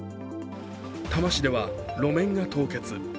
多摩市では路面が凍結。